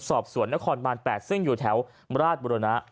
สอบสวนนครบาน๘ซึ่งอยู่แถวราชบุรณะ